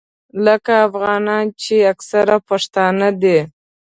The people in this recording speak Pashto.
لکه افغانان چې اکثره پښتانه دي.